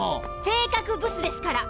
性格ブスですから！